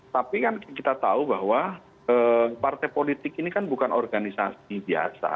tapi kan kita tahu bahwa partai politik ini kan bukan organisasi biasa